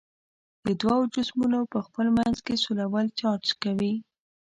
د دوو جسمونو په خپل منځ کې سولول چارج کوي.